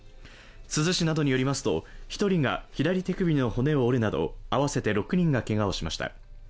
珠洲市などによりますと、１人が左手首の骨を折るなど合わせて６人がけがをしました。